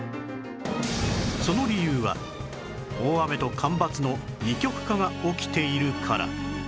その理由は大雨と干ばつの二極化が起きているから